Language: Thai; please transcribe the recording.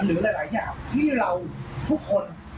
หรือหลายอย่างที่เราทุกคน